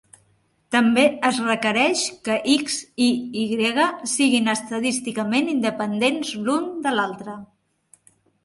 També es requereix que "X" i "Y" siguin estadísticament independents l'un de l'altre.